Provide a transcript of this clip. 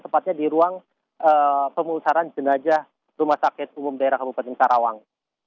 tepatnya di ruang pemusaran jenazah rumah sakit umum daerah kabupaten karawang